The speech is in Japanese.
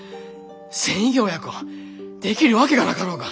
繊維業やこできるわけがなかろうが。